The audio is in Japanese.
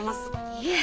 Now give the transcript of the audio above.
いえ。